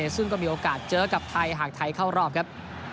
ซึ่งก็มีโอกาสเจอกับไทยหากไทยเข้ารอบครับ